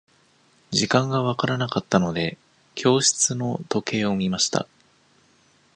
時間が分からなかったので、教室の時計を見ました。